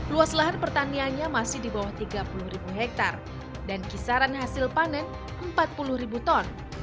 luas lahan pertaniannya masih di bawah tiga puluh ribu hektare dan kisaran hasil panen empat puluh ribu ton